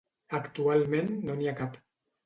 Actualment no n'hi ha cap.